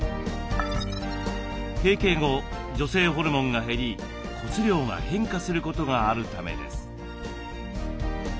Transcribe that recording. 閉経後女性ホルモンが減り骨量が変化することがあるためです。